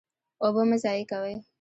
اوبه مه ضایع کوئ.